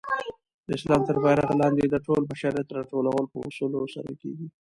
د اسلام تر بیرغ لاندي د ټول بشریت راټولول په اصولو سره کيږي.